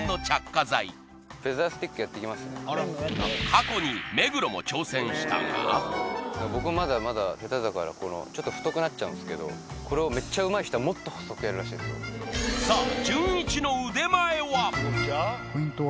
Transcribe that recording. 過去に目黒も挑戦したが僕まだまだヘタだから太くなっちゃうんですけどこれをめっちゃうまい人はもっと細くやるらしいんですよさあ